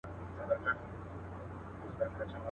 هغه لمرونو هغه واورو آزمېیلی چنار.